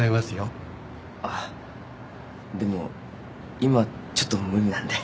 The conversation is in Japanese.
あっでも今ちょっと無理なんで。